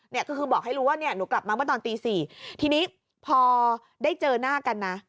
เนี่ยก็คือบอกให้รู้ว่าเนี่ยหนูกลับมาเมื่อตอนตีสี่ทีนี้พอได้เจอหน้ากันนะ